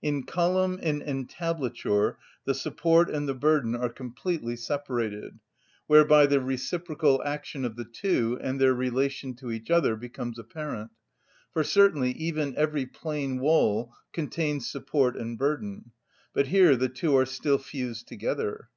In column and entablature the support and the burden are completely separated; whereby the reciprocal action of the two and their relation to each other becomes apparent. For certainly even every plain wall contains support and burden; but here the two are still fused together.